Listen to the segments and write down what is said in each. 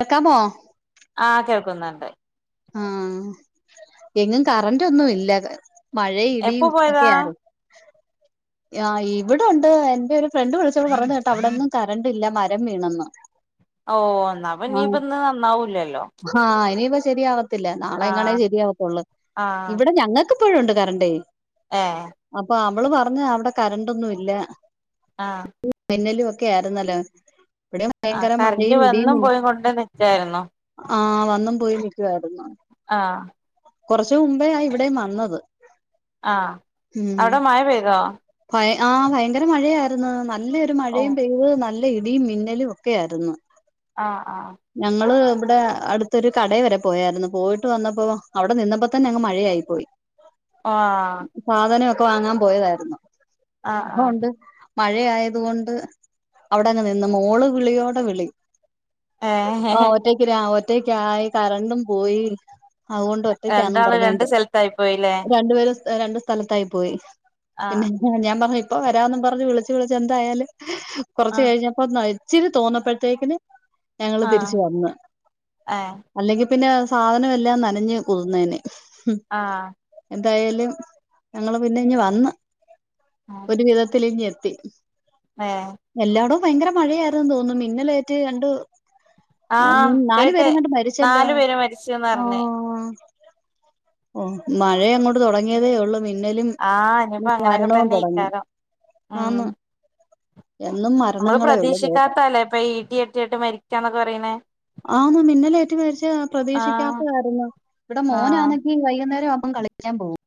പ്പക്കാമോ ആഹ് കേൾക്കുന്നുണ്ട് ആഹ് എങ്ങും കറന്റ് ഒന്നും ഇല്ല മഴെഴ് എപ്പൊ ഇടിയും പോയതാ ഒക്കെയാര് ആഹ് ഇവിടെ ഒണ്ട് എന്റെ ഒരു ഫ്രണ്ട് വിളിച്ചപ്പൊ പറഞ്ഞ് കെട്ടോ അവിടൊന്നും കറണ്ട് ഇല്ല മരം വീണെന്ന് ഓ എന്നപ്പൊ ആഹ് ഇനിയിപ്പ ഇന്ന് നന്നാവൂലല്ലോ ആഹ് ഇനിയിപ്പ ശെരിയാവത്തില്ല നാളെ എങ്ങാണേ ആഹ് ശരിയാവത്തൊള്ള് ആഹ് ഇവിടെ ഞങ്ങ ക്ക്‌ ഇപ്പോഴും ഉണ്ട് കറണ്ടേ ഏ അപ്പൊ അവള് പറഞ്ഞ് അവിടെ കരണ്ടൊന്നും ഇല്ല ആഹ് ഇടി മിന്നലും ഒക്കെ ആയിര്ന്നല്ലോ ഇവിടേം ആഹ് ഭയങ്കര കറന്റ് മഴയും ഇടിയും വന്നും മിന്ന പോയി കൊണ്ട് നിക്കായിരുന്നു ആഹ് വന്നും പോയി നിക്ക്‌വായിരുന്നു ആഹ് കൊറച്ചു മുമ്പേ ഇവിടെയും വന്നത് ആഹ് ഉം അവ്ടെ മഴ പെയ്തോ ഭയ ആഹ് ഭയങ്കര മഴയായിരുന്നു നല്ലെയൊരു ഓ മഴയും പെയ്ത് ഓ ന ല്ല ഇടിയും മിന്നലും ഒക്കെ ആയിരുന്നു ആഹ് ആഹ് ഞങ്ങള് ഇബ്ടെ അടുത്തൊരു കടേയ് വരെ പോയായിരുന്നു പോയിട്ട് വന്നപ്പോഴും അവിടെ നിന്നപ്പൊ തന്നെ അങ്ങ് മഴയായി പോയി ആഹ് സാധനം ഒക്കെ വാങ്ങാൻ പോയതായിരുന്നു ആഹ് അപ്പൊ ആഹ് ഉണ്ട് മഴ ആയതുകൊണ്ട് അവിടെ അങ്ങ് നിന്ന് മോള് വിളിയോട് വിളി ഏഹ് ആഹ് ഒറ്റക്ക് രാ ഒറ്റക്ക് ആയി കറണ്ടും പോയി അതുകൊണ്ട് ഒറ്റക്ക്യാന്നും രണ്ടാള് രണ്ട് പറഞ്ഞോണ്ട് സ്ഥലത്തായി പോയില്ലേ രണ്ടുപേരും സ് എഹ് രണ്ട് സ് സ്ഥലത്തായി പോയി ആഹ് പിന്നെ ഞാൻ പറഞ്ഞു ഇപ്പ വരാന്നും പറഞ്ഞ് വിളിച്ച് വിളിച്ച് എന്തായാലും കൊറച്ചു ആഹ് കഴിഞ്ഞപ്പോത്തിന് ഇച്ചിരി തോന്നപ്പഴത്തേയ്ക്കിന് ഞങ്ങള് ആഹ് തിരിച്ച് വന്ന് ഏഹ് അല്ലെങ്കി പിന്നെ സാധനം എല്ലാം നനഞ്ഞ് കുതിർന്നേനെ ആഹ് എന്തായാലും ഞങ്ങള് പിന്നെ ഇങ്ങ് വന്ന് ഒരു വിധത്തില് ഇങ്ങ് എത്തി ഏഹ് എല്ലാടോം ഭയങ്കര മഴയായിരുന്നുന്ന് തോന്ന്ണ് മിന്നലേറ്റ് രണ്ട് ആഹ് നാലു പേരെങ്ങാണ്ട് മരിച്ചല്ലോ നാലു പേര് മരിച്ചുന്ന് ആഹ് പറഞ്ഞ് ആഹ് ആഹ് ഓ മഴയങ്ങോ ട്ട് തൊടങ്ങിയതേ ഒള്ള് മിന്നലും ആഹ് ഇനിയിപ്പോ അങ്ങനെയൊക്കെ മരണവും തന്നെ തൊടങ്ങി ഇക്കാരം ഉം ആന്ന് എന്നും മ നമ്മള് പ്രതീക്ഷിക്കാത്താല്ലേ ഇപ്പൊ ഈ ഇടി വെട്ടിയിട്ട് മരിക്ക്യാന്നൊക്കെ പറയ്ന്നേ ആന്ന് മിന്നലേറ്റ് മരിച്ചാ ആഹ് പ്രതീക്ഷിക്കാത്തതായിരുന്നു ഇവിടെ ആഹ് മോനാണെങ്കി വൈകുന്നേരം ആവുമ്പം കളി ക്ക്യാൻ പോവും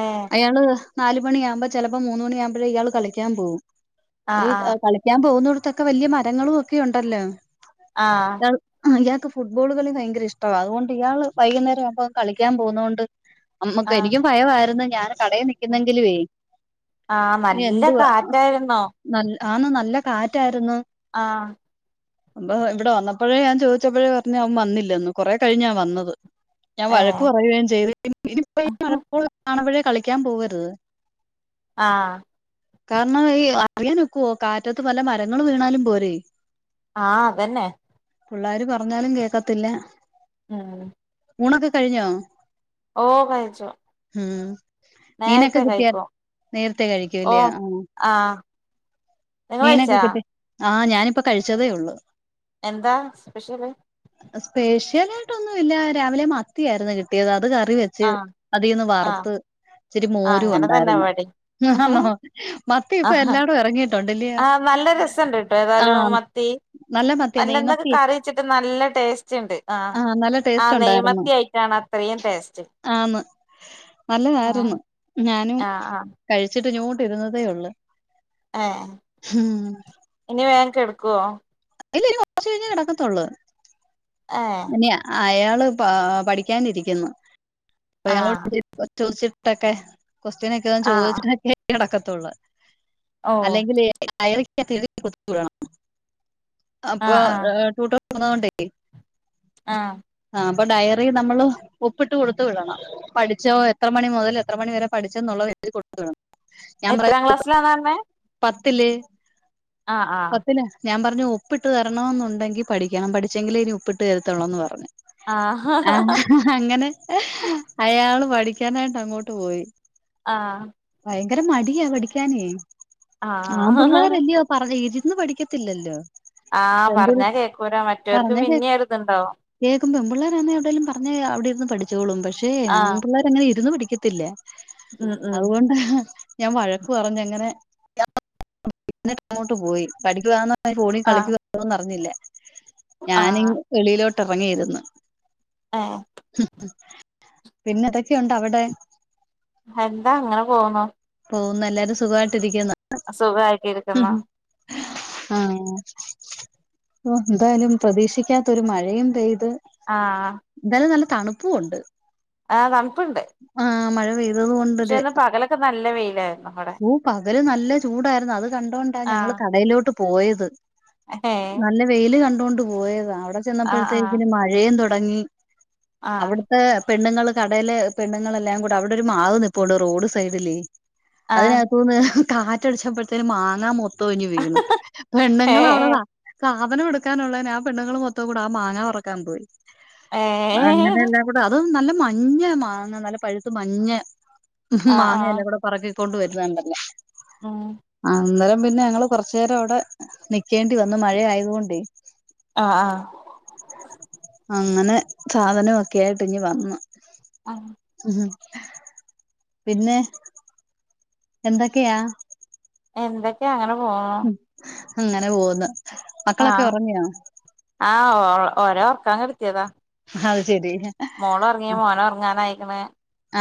ഏഹ് അയാള് നാല് മണിയാവ്മ്പ ചെലപ്പോ മൂന്ന് മണിയാവുമ്പഴേ ഇയാള് കളിക്കാൻ പോവും ആഹ് ഈ ആഹ് കളി ഞാൻ പോവുന്നിട്ത്തൊക്കെ വല്ല്യെ മരങ്ങളും ഒക്കെ ഉണ്ടല്ലോ ആഹ് ഇയാൾ ഇയാൾക്ക് ഫുട്ബോള് കളി ഭയങ്കര ഇഷ്ടമാണ് അതുകൊണ്ട് ഇയാൾ വൈകുന്നേരം ആവുമ്പം കളിക്കാൻ പോകുന്നുകൊണ്ട് അമ്മക്ക ആഹ് എനിക്കും ഭയമായിരുന്നു ഞാൻ കടയിൽ നി ആഹ് എന്നെങ്കിലുവെ ആഹ് ഇനി നല്ല എന്തുവാ കാറ്റായിരുന്നോ ന ആന്നു നല്ല കാറ്റായിരുന്നു ആഹ് അപ്പ ഇവിടെ വന്നപ്പോഴ ഞാൻ ചോദിച്ചപ്പോഴേ പറഞ്ഞ് അവൻ വന്നില്ലന്ന് കുറെ കഴിഞ്ഞാ വന്നത്. ഞാൻ വഴക്ക് ഏഹ് പറയുകയും ചെയ്ത് [unintelligible] കളിക്കാൻ പോവരുത്. ആഹ് കാരണം ഈ അറിയാനിക്കുവോ കാറ്റത്ത് പല മരങ്ങള് വീണാലും പോരേ ആഹ അതന്നെ പിള്ളോര് പറഞ്ഞാലും കേൾക്കത്തില്ല. ഉം ഊണൊക്കെ കഴിഞ്ഞോ? ഓ കഴിച്ചു ഉം മീനൊക്കെ നേരത്തെ കിട്ടിയാ കഴിക്കും നേരത്തെ കഴിക്കൂല്ലെ ആ ആഹാ മീനൊക്കെ കിട്ടി ആഹ് ഞാനിപ്പോ കഴിച്ചതേ ഉള്ളു. എന്താ സ്പെഷ്യല്? സ്പെഷ്യൽ ആയിട്ടൊന്നു ഇല്ല രാവിലെ മത്തിയായിരുന്നു കിട്ടിയത്. അത് കറി വെച്ച ച്ച് ആഹ് അതീന്ന് ആഹ് വറുത്ത് ഇച്ചിരി ആഹ് മോരും അങ്ങനെ തന്നെ ഉണ്ടായിന് ഇവടേം അന്നോ മത്തി ഇപ്പൊ എല്ലാരടും ഇറങ്ങി ആഹ നല്ല രസം ഉണ്ട് കേട്ടോ ഏതായാലും ആഹ് മത്തി നല്ല മത്തിയ അല്ല ഇന്നൊക്കെ നെയ്മത്തി കറിവെച്ചിട്ട് നല്ല ടേസ്റ്റ്ണ്ട്, ആഹ് നല്ല ടേസ്റ്റ് ആഹ് ഉണ്ടായിരുന്നു നെയ്മത്തി ആയിട്ടാണ് അ ത്രയും ടേസ്റ്റ് ആന്ന് നല്ലതായിരുന്നു. ഞാന് ആഹ് ആഹ് കഴിച്ചിട്ട് ങ്ങോട്ടിരുന്നതേ ഉള്ളു. ആഹ ഹാ ഹം ഇനി വേം കെടുക്കുവോ? ഇല്ല ഇനി കൊർച്ച് കഴിഞ്ഞേ കെടക്കത്തൊള്ള് ഏഹ് ഇനി അയാള് പഠിക്കാനിരിക്കുന്നു ഒരാൾ [inaudible] ആഹ് കൊച്ചിലൊക്കെ കൊക്സ്റ്റിനൊക്കെന്ന് ഞാൻ ആഹ് ചോദിച്ചക്കെ കിടക്കത്തുള്ളൂ ഓ അല്ലെങ്കിൽ ഡയറിക്ക് [unintelligible] അകത്ത് കൊടുത്തണം അപ്പൊ ആഹ് ആഹ് തന്നോണ്ടേ ആഹ് ആഹ അപ്പൊ ഡയറി നമ്മള് ഒപ്പിട്ട് കൊടുത് വിടണം പഠിച്ചോ എത്ര മണി മുതൽ എത്ര മണി വരെ പഠിച്ചെന്നുള്ളത് കൊടുത്തുവിടും ഞാൻ പറയാ എത്രാം ക്ലാസ്സിലാന്നാ പറഞ്ഞേ പത്തില്ല് ആഹ് ആഹ് പത്തിന് ഞാൻ പറഞ്ഞു ഒപ്പിട്ട് തരണമ എന്നുണ്ടെങ്കിൽ പഠിക്കണം പഠിച്ചെങ്കിലേ ഇനി ഒപ്പിട്ട് തരതുള്ളു എന്ന് പറഞ് ആഹ് അങ്ങനെ അയാള് പഠിക്കാനായിട്ട് അങ്ങോട്ട് പോയി. ആഹ ഭയങ്കര മടിയാ പടിക്കാനേ ആഹ് ആമ്പള്ളേർ ആഹ് അല്ലെയോ പറഞ്ഞ് ഇരുന്ന് പഠിക്കത്തില്ലല്ലോ ആഹ് പെമ്പിൾ പറഞ്ഞാ കേക്കൂലാ മറ്റവർക്ക് പിന്നെ ഒര്തുണ്ടാവും കേൾക്കും പെൺപിള്ളേർ ആന്നേ എവിടെലും പറഞ് അവിടെ ഇരുന്ന് പഠിച്ചോളും പക്ഷേ ആഹ് ആൺപിള്ളേർ അങ്ങനെ ഇരുന്ന് പഠിക്കത്തില്ല ഉം ഉം അതുകൊണ്ടാ ഞാൻ വഴക്ക് പറഞ്ഞങ്ങനെ [inaudible] അങ്ങോട്ട് പോയി പഠിക്ക ഫോണി ആഹ് കളികുവാന്നോ അഞ്ഞില്ല ഞാനി ആഹ് വെളിയിലോട്ട് ഇറങ്ങിയിരുന്നു ആഹ് പിന്നെതൊക്കെയുണ്ട് അവടെ? എന്താ അങ്ങനെ പോവ്ന്ന് പോകുന്ന എല്ലാരും സുഖമായിട്ടിരിക്കുന്നു. സുഖ ആയിട്ടിരിക്കുന്നു ആഹ മ് എന്തായാലും പ്രതീക്ഷിക്കാത്തൊരു മഴയും പെയ്ത് ആഹ എന്തായാലും നല്ല തണുപ്പും ഉണ്ട് ആഹ തണുപ്പുണ്ട് ആഹ് മഴ പെയും പക്ഷേ, ഇന്ന് പകലൊക്കെ നല്ല വെയിലാരുന്നു. പകല് നല്ല ചൂടായിരുന്നു അത് കണ്ടോൊണ്ടാ ഞങ്ങൾ കടയിലോട്ട് പോയത് ആഹ വെയിയില് കണ്ടുകൊണ്ട് പോയതാണ് അവിടെ ആഹ് ആഹ് ചെന്നപ്പോഴത്തേക്കിന് മഴയും തുടങ്ങി ആഹ് അവിടത്തെ പെണ്ണുങ്ങള് കടേല്ല് പെണ്ണുങ്ങളെല്ലാം കൂട അവിടൊരു മാവ് നിപ്പുണ്ട് റോഡ് സൈഡിലേ ആഹ് അയിനാത്തൂന്ന് കാറ്റടിച്ചപ്പഴ്ത്തേനും മാങ്ങാ മൊത്തം ഇഞ്ഞ് വീണ് പെണ്ണുങ്ങൾ ഏഹ് അവടെതാ സാധനം എടുക്കാനുള്ളതിനെ ആ പെണ്ണുങ്ങൾ മൊത്തം കൂടെ ആ മാങ്ങ പറക്കാൻ പോയി. അങ്ങനെ ഏഹ് എല്ലാം കൂടെ അതും നല്ല മ ഞ്ഞ മാങ്ങ നല്ല പഴ്ത്ത് മഞ്ഞ ആഹ് മാങ്ങ ആഹ് എല്ലാം കൂടെ പറക്കിക്കൊണ്ട് വരുന്നുണ്ടല്ലോ. ഉം അന്നേരം പിന്നെ ഞങ്ങള് കൊറച്ചേരം അവടെ നിക്കേണ്ടി വന്നു മഴ ആയത്കൊണ്ടേയ്. ആഹ് ആഹ് അങ്ങനെ സാധനൊക്കെയായിട്ട് ഇങ്ങ് വന്നു. ആഹ് ഉഹ് പിന്നെ എന്തൊക്കെയാ എന്തൊക്കെ അങ്ങനെ പോണു. അങ്ങനെ പോവ്ന്ന്, മക്കളൊക്കെ ആഹ് ഒറങ്ങിയാ? ആഹ് ഓ ഓരൊർക്കാൻ കെട്ത്ത്യെതാ അഹ്ശെരി മോളർങ്ങി മോനൊർങ്ങാനായിക്ക്ണ്.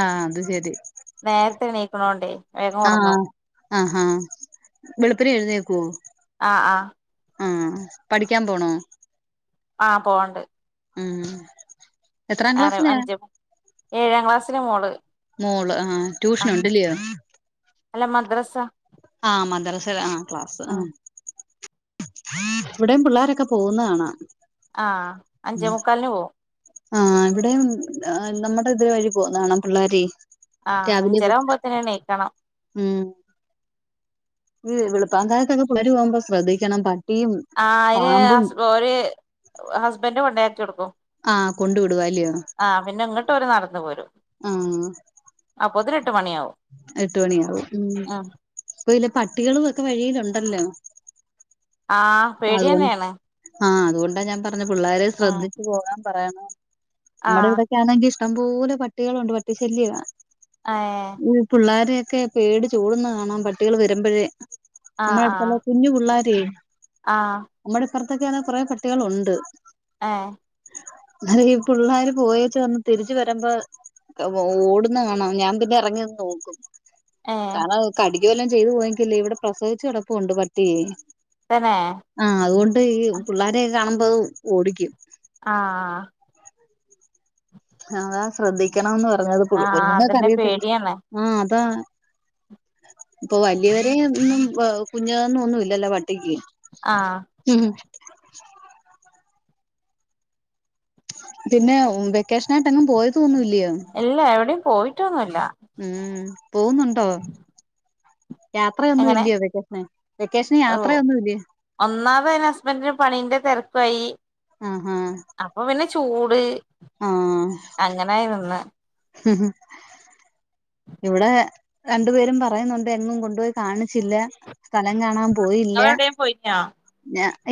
ആഹ് അത് ശെരി നേര്ത്തെണീക്ക്ണോണ്ടേയ് ആഹ ആഹ വെളുപ്പിനെ എഴുന്നേക്കൊ? ആഹ് ആഹ് ഉം പഠിക്കാൻ പോണോ? ആഹ് പോവാണ്ട് ഉം എത്രാം ആറ ക്ലാസ്സിലാ അഞ്ച് ഏഴാം ക്ലാസ്സിലാ മോള് മോള് ആഹ് ട്യൂഷൻ ആഹ് ഉണ്ടില്ലിയോ? അല്ല മദ്രസ ആഹ് മദ്റസ ആഹ് ക്ലാസ് ഉം ആഹ് ഇവടേം പിള്ളോരൊക്കെ പോകുന്നകാണാ ആഹ് അഞ്ചേ മുക്കാലിന് പോവും. ആഹ് ഇവിടേം നമ്മടെ ഇത് വഴി പോന്നാണ് പിള്ളേരെയ് ആഹ് അഞ്ചരാവുമ്പോത്തിന് എണീക്കണം ഉം ഈ വെളുപ്പകാലത്തൊക്കെ പിള്ളേര് പോകുമ്പോ ശ്രദ്ധിക്കണം പട്ടീം ആഹ അയ്ന് ഓര് ഹസ്ബൻഡ് കൊണ്ടയാക്കി കൊടുക്കും ആഹ് കൊണ്ടു വിടുവാല്ലോ ആഹ് പിന്നെ ഇങ്ങട്ട് ഓര് നടന്ന് പോരും ആഹ അപ്പോത്തിനെട്ട് മണ്യാവും എട്ട് മണിയാവും ഉം പ്പൊ ല്ല പട്ടികളും ഒക്കെ വഴിയിലുണ്ടല്ലോ ആഹ് അതുകൊണ്ട് പേടിയന്നെയാണ് ആഹ് അതുകൊണ്ടാ ഞാൻ പറഞ്ഞത് പിള്ളേരെ ഉം ശ്രദ്ധിച്ചു പോകാൻ പറയണം നമ്മടെ ആഹ് ഇവിടെക്കെ ആണെങ്കി ഇഷ്ടംപോലെ പട്ടികളുണ്ട് പട്ടിശല്യവാ ആഹ് ഈ പിള്ളോരെയൊക്കെ പേടിച്ചോട്ന്ന കാണാം പട്ടികൾ വരുമ്പഴേ ആഹ് നമ്മള ആഹ് അടുത്തുള്ള കുഞ്ഞു പിള്ളാരേയ് ആഹ് നമ്മടെപ്പർത്തൊക്കെ ആണെ കുറെ പട്ടികളുണ്ട് ഏഹ് പിള്ളേര് പോയ ച വന്ന് തിരിച്ച വരുമ്പോ ഓടുന്ന കാണം ഞാൻ പിന്നെ ഇറങ്ങിന്ന് നോക്കും ഏഹ് കാരണം കടിക്കുവല്ലാം ചെയ്തു പോയെങ്കല്ലേ ഇവിടെ പ്രസവിച്ചു കെടപ്പുണ്ട് പട്ടിയെ തന്നെ ആഹ് അതുകൊണ്ട് ഈ പിള്ളാരെക്കെ കാണുമ്പോ ഓടിക്കും ആഹ് അതാ ശ്രദ്ധിക്കണംന്ന് പറഞ്ഞത് പു ആഹ് കുഞ്ഞുങ്ങക്ക് അതന്നെ അറിയത്തില്ല പേടിയാണ് ആഹ അതാ പ്പൊ വലിയവരെ ഒന്നും കുഞാന്നൊന്നും ല്ലല്ലോ പട്ടിക്ക് ആഹ ഉം പിന്നെ വെക്കേഷനായിട്ട് എങ്ങും പോയതോന്നുല്ലയോ ഇല്ല എവിടെയും പോയിട്ടൊന്നുല്ല ഉം പോകുന്നുണ്ടോ യാത്രയൊന്നും എങ്ങനെ ഇല്ലയോ വെക്കേഷന് വെക്കേഷന് യാത്രയൊന്നും ഇല്ലയോ ഒന്നാമത അതിന് ഹസ്ബൻറിന് പണിന്റെ തിരക്കായി ആഹ് ആഹ് അപ്പൊ പിന്നെ ചൂട് അങ്ങനെനിന്ന് ഉം ഉം ഇവിടെ രണ്ടു പേരും പറയുന്നുണ്ട് എങ്ങും കൊണ്ടുപോയി കാണിച്ചില്ല സ്ഥലം കാണാൻ പോയില്ല നിങ്ങളെവിടെയും പോയിനോ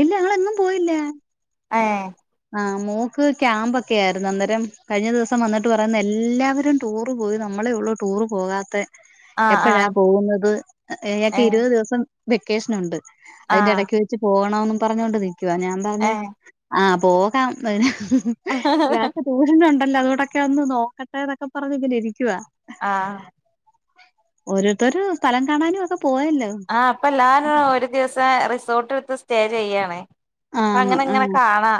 ഇല്ല ഞങ്ങ എങ്ങും പോയില്ല ഏഹ് ആഹ മോക്ക് ക്യാമ്പൊക്കെ ആയിരുന്നു അന്നേരം കഴിഞ്ഞ ദിവസം വന്നിട്ട് പറയുന്ന എല്ലാവരും ടൂറ് പോയി നമ്മളെ ഉള്ളൂ ടൂറ് പോകാത്ത ആഹ് എപ്പഴാ ആഹ് പോകുന്നത് ഇയാക്ക് ഏഹ് ഇരുപത് ദിവസം വെക്കേഷൻ ഉണ്ട് അതിന്റെ ആഹ് ഇടക്ക് വെച്ച് പോകണന്ന് പറഞ്ഞൊണ്ട് നിക്കുവാ ഞാൻ പറഞ്ഞ് ഏഹ് ആഹ പോകാം വരാം ഇയാക്ക് ട്യൂഷൻ ഉണ്ടല്ലോ അതോടൊക്കെ ഒന്ന് നോക്കട്ടെ എന്നൊക്കെ പറഞ്ഞങ്ങനേ ഇരിക്കുവ ആഹ ഓരോരുത്തരു സ്ഥലം കാണാനും ഒക്കെ പോയല്ലോ ആഹ് പ്പല്ലാരും ഒരു ദിവസം റിസോർട്ട് എടുത്ത് സ്റ്റേ ചെയ്യാണ് പ്പ ആന്ന് അങ്ങനെ ഇങ്ങനെ ആഹ് കാണാ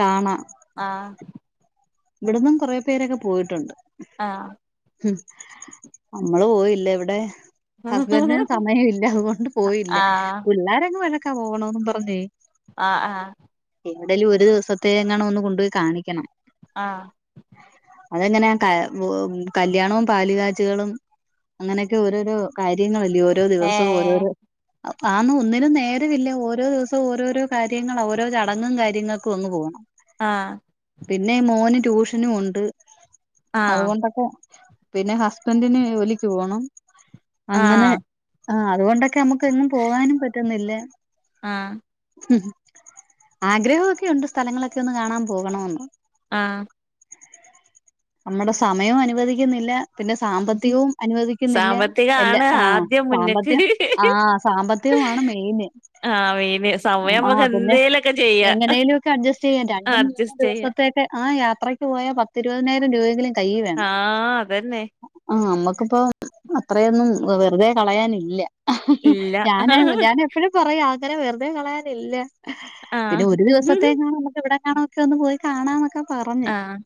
കാണാം ആഹ് ഇവിടന്നും കുറേ പേരൊക്കെ പോയിട്ടുണ്ട് ആഹ് ആഹ് നമ്മള് പോയില്ല ഇവിടെ ഹസ്ബൻഡിനും സമയം ഇല്ല അതുകൊണ്ട് പോയില്ല ആഹ് പിള്ളോരങ്ങ് വഴക്കാ പോകണോന്നും പറഞ്ഞേ ആഹ് ആഹ് എവിടേലും ഒരു ദിവസത്തെ എങ്ങാണ് ഒന്ന് കൊണ്ടുപോയി കാണിക്കണം ആഹ് അതെങ്ങനെയാ കല്യാണവും പാലു കാച്ചലുകളും അങ്ങനെയൊക്കെ ഓരോരോ കാര്യങ്ങളല്ലേ ഓരോ ദിവസവും ഏഹ് ഓരോരോ ആന്ന് ഒന്നിനും നേരമില്ല ഓരോ ദിവസം ഓരോരോ കാര്യങ്ങൾ ഓരോ ചടങ്ങും കാര്യങ്ങൾ ഒന്ന് പോണം ആഹ് പിന്നെ മോന് ട്യൂഷനും പോണ്ട് ആഹ് അതുകൊണ്ടൊക്കെ പിന്നെ ഹസ്ബൻഡിന് ജോലിക്ക് പോണം അങ്ങനെ ആഹ് ആഹ് അതുകൊണ്ടൊക്കെ നമുക്ക് എങ്ങും പോകാനും പറ്റുന്നില്ല. ആഹ്. ഉഹ് ആഗ്രഹമൊക്കെ ഉണ്ട് സ്ഥലങ്ങളൊക്കെ ഒന്ന് കാണാൻ പോകണന്ന് ആഹ് നമ്മുടെ സമയം അനുവദിക്കുന്നില്ല പിന്നെ സാമ്പത്തികവും അനുവദിക്കുന്നില്ല എല്ലാ സാമ്പത്തികാണ് ആഹ് ആദ്യം മുന്ന്ക്ക് സാമ്പത്തികം ആഹ് സാമ്പത്തി സാമ്പത്തികമാണ് മെയിന് ആഹ് മെയിന് സമയം നമുക്ക് ആഹ് പിന്നെ എന്തേലൊക്കെ ചെയ്യാ എങ്ങനേലും ഒക്കെ അഡ്ജസ്റ്റ് ചെയ്യ് രണ്ടും മൂന്നും അഡ്ജസ്റ്റ് ദിവസം ചെയ്യാ ത്തേ ആഹ് യാത്രക്ക് പോയാ പത്തി ഇരുപതിനായിരം രൂപെങ്കിലും ആഹ് അതന്നെ ആഹ് നമ്മക്കിപ്പം അത്രയൊന്നും വെറുതെ കളയാനില്ല ഇല്ല ഞാനായി ഞാന് പ്പോഴും പറയും അങ്ങനെ വെറുതെ കളയാനില്ല പിന്നെ ആഹ് ഒരു ദിവസത്തേ കാണനക്ക് ഇവിടെ കാണ ക്കെ ഒന്ന് പോയി കാണാന്നൊക്കെ പറഞ്ഞ് ആഹ്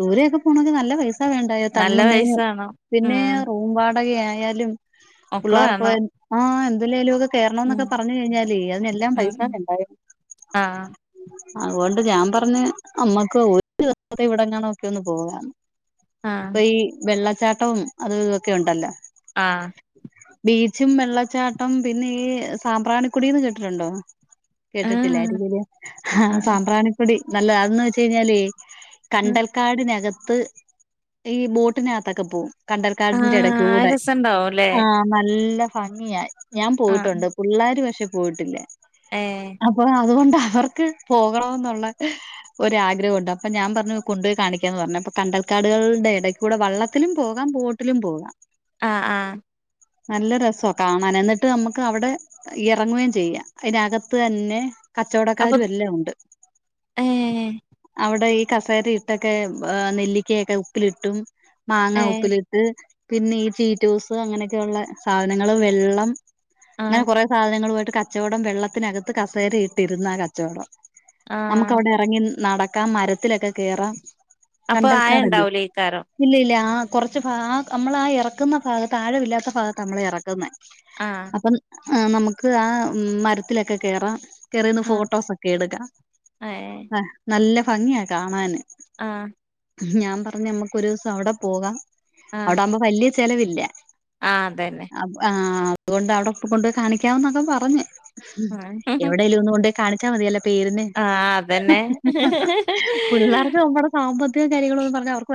ദൂരൊക്കെ പോണെങ്കിൽ നല്ല പൈസ സ വേണ്ടായോ നല്ല തങ്ങുന്നേന് പൈസ വേണം പിന്നെ ഉം റൂം വാടക ആയാലും ഒക്കെ പിള്ളേർക്ക് വേണം ആഹ് എന്തല്ലേലും ലോകത്തു കേറണംന്നൊക്കെ ഉം പറഞ്ഞു കഴിഞ്ഞാലേ അതിനെല്ലാം പൈസ ആഹ് ഉണ്ടായത് ആഹ് അതുകൊണ്ട് ഞാൻ പറഞ് അമ്മക്ക് ഒരു ദിവസത്തെ ഇവിടെങ്ങണോക്കെ ഒന്ന് പോവാന്ന് ആഹ് ഇപ്പൊ ഈ വെള്ളച്ചാട്ടവും അത് ഇതൊക്കെ ഉണ്ടല്ലോ ആഹ് ബീച്ചും വെള്ളച്ചാട്ടം പിന്നെ ഈ സാമ്പ്രാണിക്കുടീന്ന് കേട്ടിട്ടുണ്ടോ ആഹ് ആഹ് കേട്ടിട്ടില്ലായിരിക്കുലെ ആഹ് സാമ്പ്രാണപ്പൊടി നല്ല അതന്ന് വെച്ച് കഴിഞ്ഞാല് ആഹ് കണ്ടൽക്കാടിനകത്ത് ഈ ബോട്ടിനകത്തൊക്കെ പോവും കണ്ടൽക്കാടിന്റെ ഇടേക്ക് ആഹ് ആ കൂടെ രസണ്ടാവുംല്ലേ ആഹ് നല്ല ഭംഗിയായി ഞാൻ ആഹ് പോയിട്ടുണ്ട് പിള്ളേർ പക്ഷെ പോയിട്ടില്ല ഏഹ് അപ്പൊ അതുകൊണ്ട് അവർക്ക് പോകണെന്നുള്ള ഒരു ആഗ്രഹുണ്ട് അപ്പൊ ഞാൻ പറഞ്ഞു കൊണ്ടുപോയി കാണിക്കുക എന്ന് പറഞ്ഞ ഇപ്പൊ കണ്ടൽക്കാടുകളുടെ ഇടക്ക് കൂടെ വള്ളത്തിലും പോകാം ബോട്ടിലും പോകാം ആഹ് ആഹ് നല്ല രസി കാണാൻ എന്നിട്ട് നമ്മുക്ക് അവിടെ ഇറങ്ങുകയും ചെയ്യാം. അയിൻ്റെകത്ത് തന്നെ അപ്പൊ കച്ചവടക്കാരു എല്ലാം ഉണ്ട്. ഏഹ് അവ്ടെ ഈ കസേര ഇ ട്ടൊക്കെ ഏഹ് നെല്ലിക്കേയൊക്കെ ഉപ്പിലിട്ടും, മാങ്ങ ഏഹ് ഉപ്പിലിട്ട് പിന്നെ ഈ ചീറ്റൂസ് അങ്ങനെക്കെയൊള്ള സാധനങ്ങളും, വെള്ളം ഞാൻ ആഹ് കുറെ സാധനങ്ങളുമായിയിട്ട് കച്ചവടം വെള്ളത്തിനകത്ത് കസേര ഇട്ടിരുന്ന് ആ കച്ചവടം... നമ്ക്ക് ആഹ് അവടെ എറങ്ങി നടക്കാം, മരത്തിലൊക്കെ കേറാം. അപ്പൊ ആയ കണ്ടൽക്കാടല്ലെ ഉണ്ടാവൂലേക്കാരം ഇല്ല ഇല്ല ആ കുറച്ച് ഭാഗ ആ നമ്മൾ ഇല്ല, ഇല്ല ആ കൊറച്ച് ഭാ ആ അമ്മളെ ആ ഇറക്കുന്ന ഭാഗത്ത് ആഴവില്ലാത്ത ഭാഗത്താ അമ്മളെ എറക്കുന്നെ. ആഹ് അപ്പം ഏഹ് നമക്ക് ആ മരത്തിലൊക്കെ കേറാം. കേറി നിന്ന് ആഹ് ഫോട്ടോസൊക്കെ എടുക്കാം. ഏഹ് ആഹ് നല്ല ഫംഗിയാ കാണാന്. ആഹ് ഞാ പറഞ് അമ്മക്ക് ഒരൂസം അവ്ടെ പോകാം. ആഹ് അവ്ടാവ്‌മ്പം വല്ല്യ ചെലവില്ല. ആഹ് അതെന്നെ അപ് ആഹ് അത്കൊണ്ട് അവ്ടെ പ്പ് കൊണ്ടോയി കാണിക്കാന്നൊക്കെ പറഞ്ഞ്. ഉം ആഹ് എവിടേലൊന്ന്കൊണ്ടോയി... കാണിച്ചാ മതിയല്ലൊ പേരിന്. അതന്നെ പിള്ളേർക്ക് നമ്മടെ.... സാമ്പത്തിക കാര്യങ്ങളൊന്നും പറഞ്ഞാ അവർക്ക്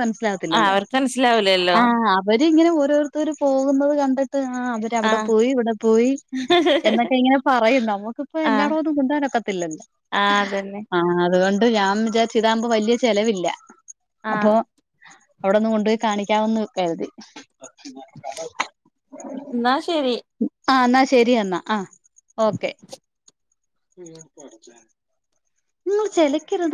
ആഹ് മൻസിലാവത്തില്ലല്ലൊ. അവർക്ക് മനസ്സിലാവൂലല്ലോ ആഹ് വരിങ്ങനെ ഓരോരുത്തര് പോകുന്നത് കണ്ട്ട്ട് ആഹ് അവര് അവ്ടെ ആഹ് പോയി, ഇവ്ടെ പോയി എന്നൊക്കെ ഇങ്ങനെ പറയും. നമുക്കിപ്പൊ ആഹ് എല്ലായിവും ഒന്നും കൊണ്ടോവാൻ ഒക്കത്തില്ലല്ലാ. ആഹ് അതന്നെ ആഹ് അതുകൊണ്ട് ഞാ വിചാര്ച്ച് താവ്‌മ്പൊ വല്ല്യ ചെലവില്ല. അപ്പൊ ആഹ് അവ്ടൊന്ന് കൊണ്ടോയി കാണിക്കാമെന്ന് കര്തി. എന്നാ ശരി ആഹ് ന്നാ ശരിയെന്നാ ആഹ്. ഓക്കെ [unintelligible] ച്ചാ [unintelligible] ചെലക്ക്ണത്.